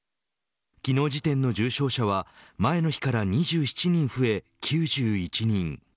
昨日時点の重症者は前の日から２７人増え９１人。